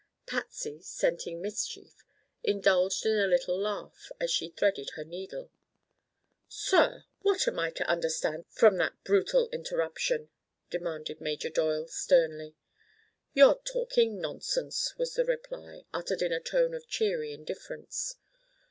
Patsy, scenting mischief, indulged in a little laugh as she threaded her needle. "Sir! what am I to understand from that brutal interruption?" demanded Major Doyle sternly. "You're talking nonsense," was the reply, uttered in a tone of cheery indifference.